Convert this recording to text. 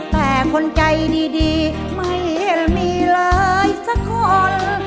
แต่คนใจดีไม่เห็นมีเลยสักคน